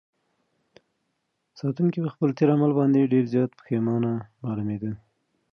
ساتونکي په خپل تېر عمل باندې ډېر زیات پښېمانه معلومېده.